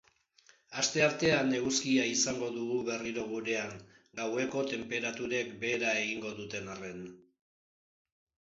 Asteartean eguzkia izango dugu berriro gurean, gaueko tenperaturek behera egingo duten arren.